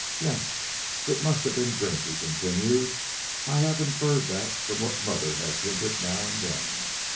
"Yes, it must have been drink," he continued; "I have inferred that from what mother has hinted now and then.